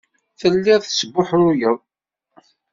Telliḍ tesbuḥruyeḍ.